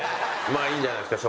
まあいいんじゃないですか？